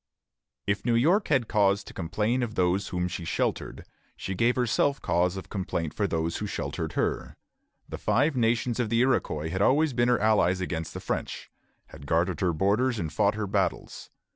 If New York had cause to complain of those whom she sheltered, she herself gave cause of complaint to those who sheltered her. The Five Nations of the Iroquois had always been her allies against the French, had guarded her borders and fought her battles.